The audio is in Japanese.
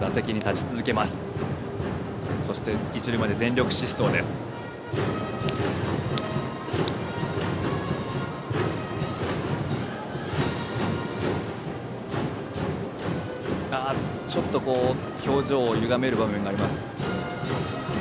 ちょっと表情をゆがめる場面がありました。